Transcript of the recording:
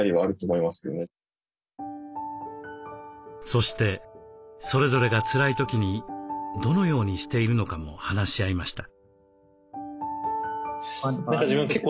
そしてそれぞれがつらい時にどのようにしているのかも話し合いました。